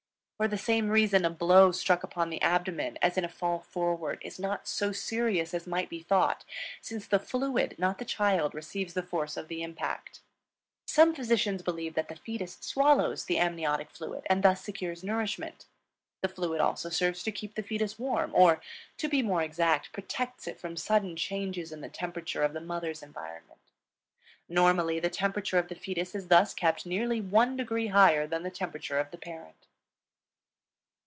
For the same reason a blow struck upon the abdomen, as in a fall forward, is not so serious as might be thought, since the fluid, not the child, receives the force of the impact. Some physicians believe that the fetus swallows the amniotic fluid and thus secures nourishment. The fluid also serves to keep the fetus warm; or, to be more exact, protects it from sudden changes in the temperature of the mother's environment. Normally the temperature of the fetus is thus kept nearly one degree higher than the temperature of the parent.